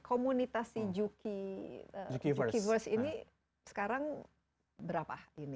komunitas di jukiverse ini sekarang berapa ini